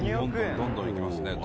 どんどんいきますね。